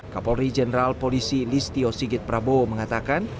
kapolri jenderal polisi listio sigit prabowo mengatakan